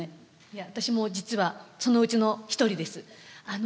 いや私も実はそのうちの一人です。